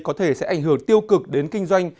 có thể sẽ ảnh hưởng tiêu cực đến kinh doanh